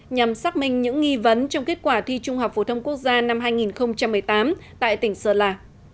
nhằm xác minh những nghi vấn trong kết quả thi trung học phổ thông quốc gia năm hai nghìn một mươi tám tại tỉnh sơn la